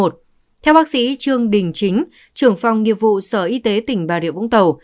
theo bác sĩ trương đình chính trưởng phòng nghiệp vụ sở y tế tỉnh bà rịa vũng tàu